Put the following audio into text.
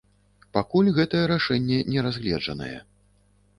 Пакуль гэтае рашэнне не разгледжанае.